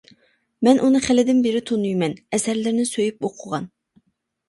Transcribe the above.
مەن ئۇنى خېلىدىن بېرى تونۇيمەن، ئەسەرلىرىنى سۆيۈپ ئوقۇغان.